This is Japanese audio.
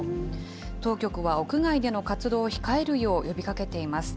当局は屋外での活動を控えるよう呼びかけています。